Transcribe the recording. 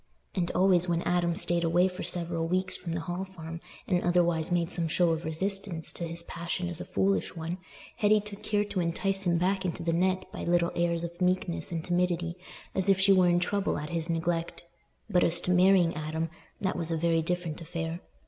And always when Adam stayed away for several weeks from the Hall Farm, and otherwise made some show of resistance to his passion as a foolish one, Hetty took care to entice him back into the net by little airs of meekness and timidity, as if she were in trouble at his neglect. But as to marrying Adam, that was a very different affair!